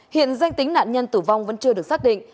hiện danh tính nạn nhân tử vong vẫn chưa được xác định